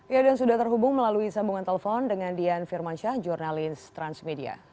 ya dan sudah terhubung melalui sambungan telepon dengan dian firmansyah jurnalis transmedia